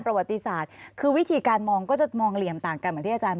ประวัติศาสตร์คือวิธีการมองก็จะมองเหลี่ยมต่างกันเหมือนที่อาจารย์